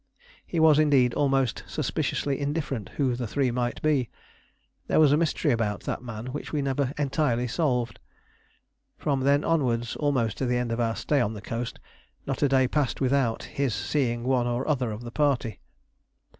He was indeed almost suspiciously indifferent who the three might be. There was a mystery about that man which we never entirely solved. From then onwards, almost to the end of our stay on the coast, not a day passed without his seeing one or other of the party.